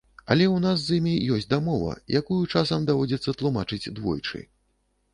Але ў нас з імі ёсць дамова, якую часам даводзіцца тлумачыць двойчы.